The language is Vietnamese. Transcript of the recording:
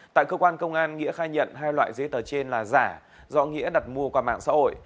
tại cơ quan công an nghĩa khai nhận hai loại giấy tờ trên là giả do nghĩa đặt mua qua mạng xã hội